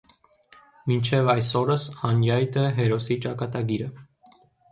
Մինչեւ այս օրս անյայտ է հերոսի ճակատագիրը։